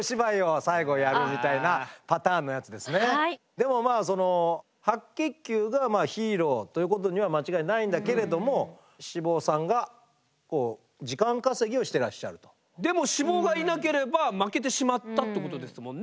でも白血球がヒーローということには間違いないんだけれどもでも脂肪がいなければ負けてしまったってことですもんね？